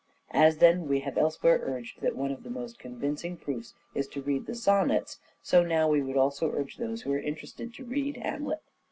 As, then, we have elsewhere urged that one of the most convincing proofs is to read the sonnets, so now we would also urge those who are interested to read Hamlet.